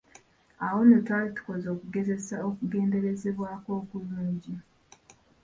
Awo nno twali tukoze okugezesa okugerezebwako okulungi.